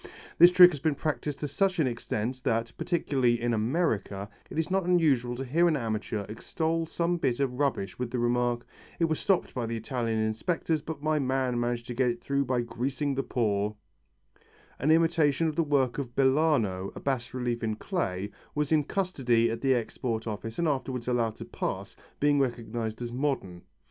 This trick has been practised to such an extent that, particularly in America, it is not unusual to hear an amateur extol some bit of rubbish with the remark, "It was stopped by the Italian inspectors, but my man managed to get it through by greasing the paw " An imitation of the work of Bellano, a bas relief in clay, was in custody at the Export Office and afterwards allowed to pass, being recognized as modern.